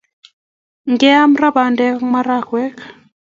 Kiame ra pandek ak marakwek